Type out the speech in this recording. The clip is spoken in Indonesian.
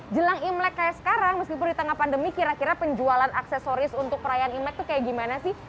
jelang imlek kayak sekarang meskipun di tengah pandemi kira kira penjualan aksesoris untuk perayaan imlek tuh kayak gimana sih